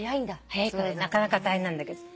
早いからなかなか大変なんだけど。